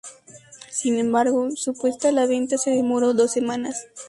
Sin embargo, su puesta a la venta se demoró dos semanas.